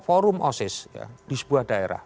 forum osis di sebuah daerah